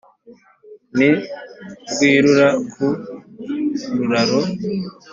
ni rwirura-ku-ruraro